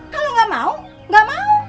kalau gak mau gak mau